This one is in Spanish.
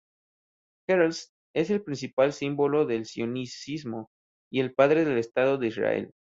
Herzl es el principal símbolo del sionismo y el padre del Estado de Israel.